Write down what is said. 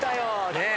ねえ。